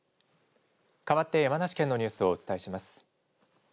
かわって山梨県のニュースをお伝えします。